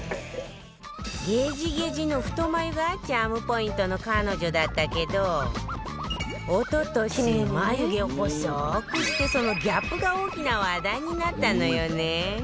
ゲジゲジの太眉がチャームポイントの彼女だったけど一昨年眉毛を細くしてそのギャップが大きな話題になったのよね